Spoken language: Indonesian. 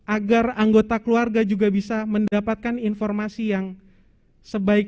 agar anggota keluarga juga bisa mendapatkan informasi yang sebaik